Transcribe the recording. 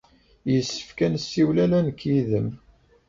Yessefk ad nessiwel ala nekk yid-m.